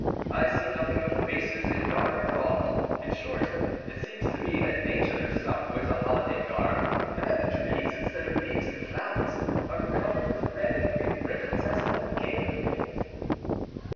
I see nothing but faces a yard broad; in short, it seems to me that nature herself wears a holiday garb, and that the trees, instead of leaves and flowers, are covered with red and green ribbons as on gala days."